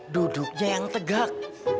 duduknya yang tegak